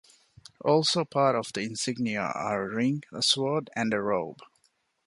Also part of the insignia are a ring, a sword and a robe.